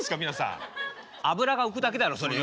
油が浮くだけだろそれよ。